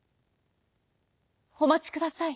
「おまちください。